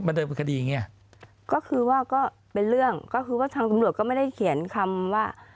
เดินเป็นคดีอย่างเงี้ยก็คือว่าก็เป็นเรื่องก็คือว่าทางตำรวจก็ไม่ได้เขียนคำว่า